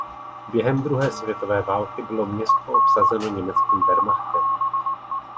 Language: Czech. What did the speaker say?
Během druhé světové války bylo město obsazeno německým Wehrmachtem.